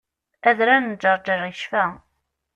Adrar n Ǧerğer yecfa.